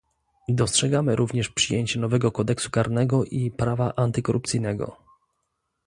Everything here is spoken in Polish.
Dostrzegamy również przyjęcie nowego kodeksu karnego i prawa antykorupcyjnego